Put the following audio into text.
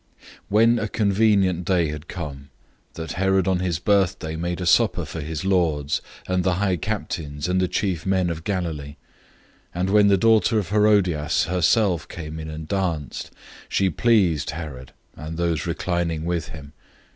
006:021 Then a convenient day came, that Herod on his birthday made a supper for his nobles, the high officers, and the chief men of Galilee. 006:022 When the daughter of Herodias herself came in and danced, she pleased Herod and those sitting with him.